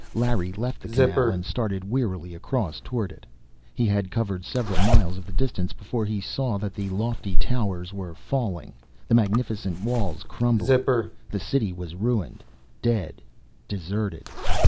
Larry left the canal and started wearily across toward it. He had covered several miles of the distance before he saw that the lofty towers were falling, the magnificent walls crumbling. The city was ruined, dead, deserted!